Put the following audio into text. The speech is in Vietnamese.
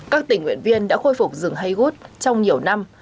các tình nguyện viên đã khôi phục rừng haywood trong nhiều năm